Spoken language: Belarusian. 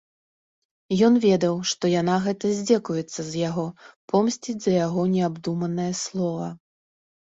Ён ведаў, што яна гэта здзекуецца з яго, помсціць за яго неабдуманае слова.